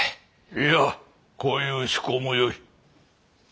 いやこういう趣向もよい。